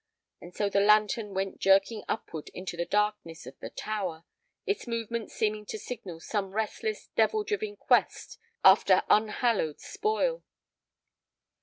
And so the lantern went jerking upward into the darkness of the tower, its movements seeming to signal some restless, devil driven quest after unhallowed spoil.